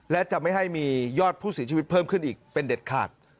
และจะไม่ให้มียอดผู้เสียชีวิตเพิ่มขึ้นอีกเป็นเด็ดขาด